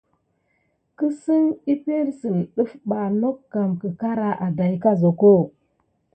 Kisin epəŋle sine def ba nokan əkəra a dayi asokob.